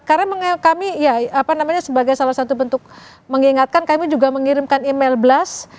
karena kami ya apa namanya sebagai salah satu bentuk mengingatkan kami juga mengirimkan email blast